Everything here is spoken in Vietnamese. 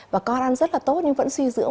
và con ăn rất là tốt nhưng vẫn suy dưỡng